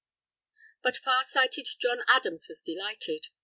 But far sighted John Adams was delighted.